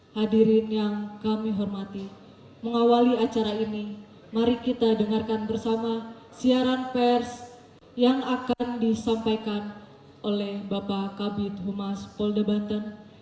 hadirin yang kami hormati mengawali acara ini mari kita dengarkan bersama siaran pers yang akan disampaikan oleh bapak kabit humas polda banten